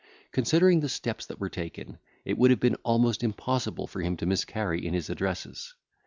Considering the steps that were taken, it would have been almost impossible for him to miscarry in his addresses.